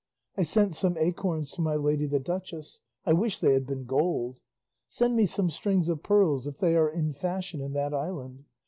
I sent some acorns to my lady the duchess; I wish they had been gold. Send me some strings of pearls if they are in fashion in that island.